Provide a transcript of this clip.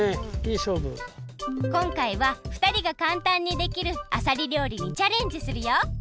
こんかいはふたりがかんたんにできるあさり料理にチャレンジするよ！